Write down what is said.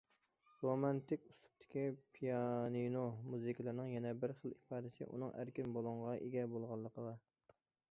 رومانتىك ئۇسلۇبتىكى پىيانىنو مۇزىكىلىرىنىڭ يەنە بىر خىل ئىپادىسى ئۇنىڭ ئەركىن بۇلۇڭغا ئىگە بولغانلىقىدا.